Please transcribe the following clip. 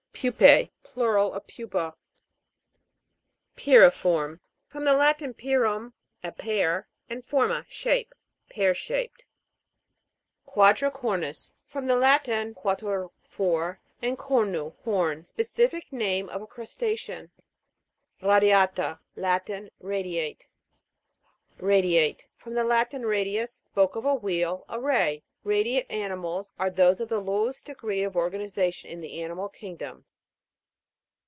PU'P^E. Plural of pupa. PY'RIFORM. From the Latin, pyrum, a pear, and forma, shape. Pear shaped. 120 ENTOMOLOGY. GLOSSARY. QUADRICOK'NIS. From the Latin, quatuor, four, and cornu, horn. Specific name of a crusta'cean. RADIA'TA. Latin. Radiate. RA'DIATE. From the Latin, radius, spoke of a wheel, a ray. Radiate animals are those of the lowest degree of organization in the ani mal kingdom.